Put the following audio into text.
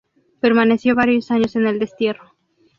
Permaneció varios años en el destierro.